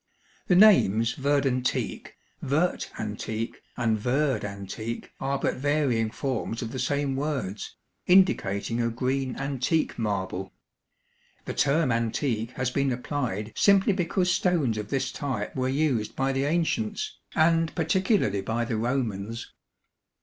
The names verdantique, verte antique, and verde antique are but varying forms of the same words, indicating a green antique marble. The term antique has been applied simply because stones of this type were used by the ancients, and particularly by the Romans.